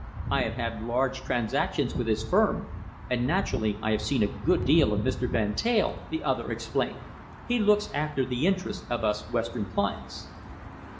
"I have had large transactions with his firm, and naturally I have seen a good deal of Mr. Van Teyl," the other explained. "He looks after the interests of us Western clients."